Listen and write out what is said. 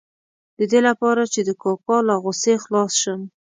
د دې لپاره چې د کاکا له غوسې خلاص شم.